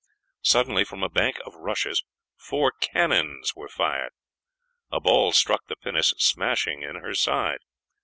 Suddenly from a bank of rushes four cannons were fired. A ball struck the pinnace, smashing in her side.